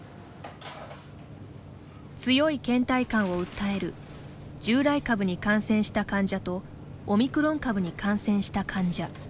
強いけん怠感を訴える従来株に感染した患者とオミクロン株に感染した患者。